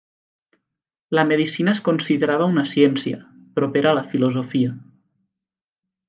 La medicina es considerava una ciència, propera a la filosofia.